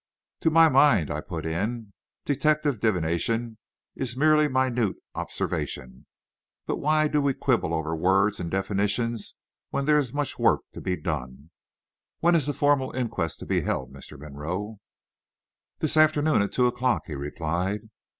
"To my mind," I put in, "detective divination is merely minute observation. But why do we quibble over words and definitions when there is much work to be done? When is the formal inquest to be held, Mr. Monroe?" "This afternoon at two o'clock," he replied.